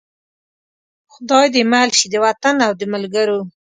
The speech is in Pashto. خدای دې مل شي د وطن او د ملګرو.